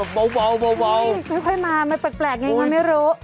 โอ้โหมาแบบเบาไม่ค่อยมามันแปลกยังไงมันไม่รู้